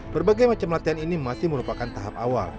berbagai macam latihan ini masih merupakan tahap awal